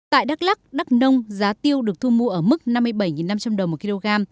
tại đắk lắc đắk nông giá tiêu được thu mua ở mức năm mươi bảy năm trăm linh đồng một kg